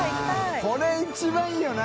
これ一番いいよね。